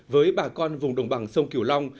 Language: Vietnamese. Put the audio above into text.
với bà con vùng đồng bằng sông kiều long